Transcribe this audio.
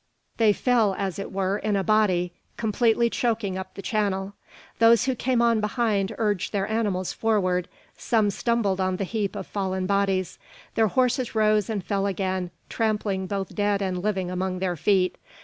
They fell, as it were, in a body, completely choking up the channel. Those who came on behind urged their animals forward. Some stumbled on the heap of fallen bodies. Their horses rose and fell again, trampling both dead and living among their feet.